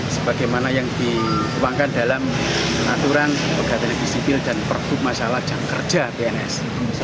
sebagaimana yang dikembangkan dalam penaturan pegawai negeri sipil dan perhubungan masalah jam kerja pns